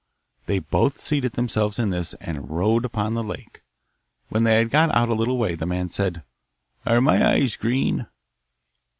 They both seated themselves in this, and rowed upon the lake. When they had got out a little way the man said, 'Are my eyes green?